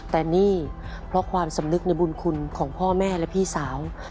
แต่นี่เพราะความสำนึกในบุญคุณของพ่อแม่และพี่สาว